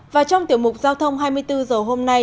và trong tiểu mục giao thông hai mươi bốn h hôm nay